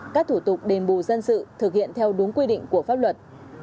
các thủ tục đền bù dân sự thực hiện theo đúng quy định của pháp luật